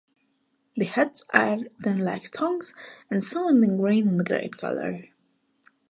The heads are then like thongs and solemn in grain and grape-colour.